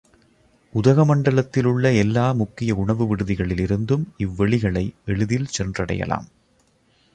உதகமண்டலத்திலுள்ள எல்லா முக்கிய உணவு விடுதிகளிலிருந்தும் இவ் வெளிகளை எளிதில் சென்றடையலாம்.